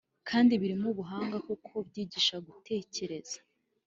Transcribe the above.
kandi birimo ubuhanga kuko byigisha gutekereza.